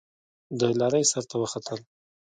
د لارۍ سر ته وختل.